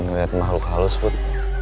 ngeliat makhluk halus put